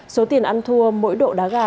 số tiền ăn thua mỗi độ đá gà